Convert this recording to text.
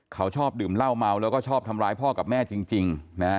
เขาชอบดื่มเหล้าเมาแล้วก็ชอบทำร้ายพ่อกับแม่จริง